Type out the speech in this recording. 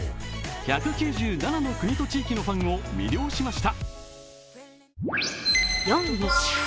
１９７の国と地域のファンを魅了しました。